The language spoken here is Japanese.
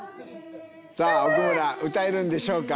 さあ奥村歌えるんでしょうか。